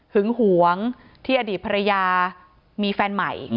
หึงหวงที่อดีตภรรยามีแฟนใหม่